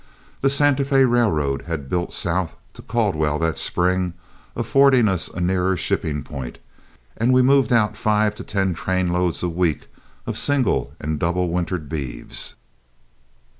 The Santa Fé Railway had built south to Caldwell that spring, affording us a nearer shipping point, and we moved out five to ten trainloads a week of single and double wintered beeves.